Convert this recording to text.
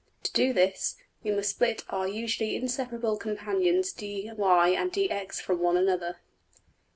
To do this, we must split our usually inseparable companions $dy$~and~$dx$ from one another.